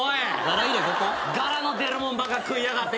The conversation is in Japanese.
ガラの出るもんばっか食いやがって。